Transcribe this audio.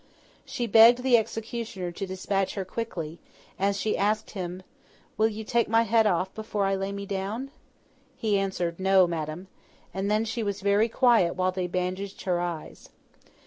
She begged the executioner to despatch her quickly, and she asked him, 'Will you take my head off before I lay me down?' He answered, 'No, Madam,' and then she was very quiet while they bandaged her eyes.